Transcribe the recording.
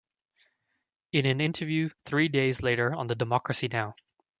In an interview three days later on the Democracy Now!